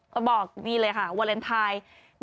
ก็บอกนี่เลยค่ะเวอร์เรนไทน์๑๔